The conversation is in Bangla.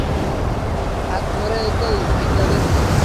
হাত ধরতেই ভাইঙা গেসে।